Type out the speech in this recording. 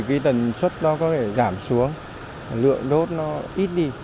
cái tần suất đó có thể giảm xuống lượng đốt nó ít đi